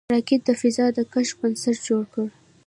راکټ د فضا د کشف بنسټ جوړ کړ